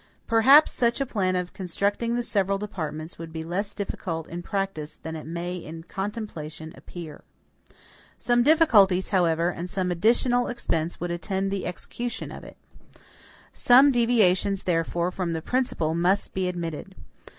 Perhaps such a plan of constructing the several departments would be less difficult in practice than it may in contemplation appear. Some difficulties, however, and some additional expense would attend the execution of it. Some deviations, therefore, from the principle must be admitted.